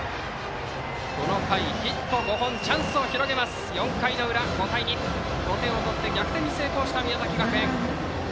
この回ヒット５本チャンスを広げます４回の裏、５対２と５点を取って逆転に成功した宮崎学園。